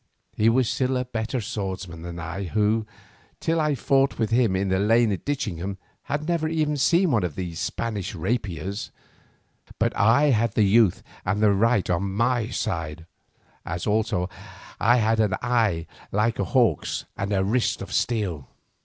He was still a better swordsman than I, who, till I fought with him in the lane at Ditchingham, had never even seen one of these Spanish rapiers, but I had the youth and the right on my side, as also I had an eye like a hawk's and a wrist of steel.